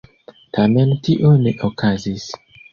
Tamen tio ne okazis.